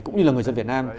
cũng như là người dân việt nam